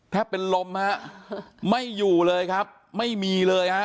เป็นลมฮะไม่อยู่เลยครับไม่มีเลยฮะ